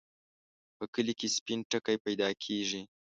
په کلي کې سپين ټکی پیدا کېږي.